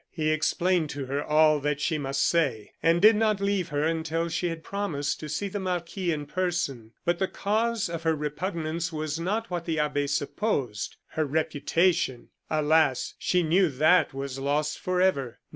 He explained to her all that she must say, and did not leave her until she had promised to see the marquis in person. But the cause of her repugnance was not what the abbe supposed. Her reputation! Alas! she knew that was lost forever.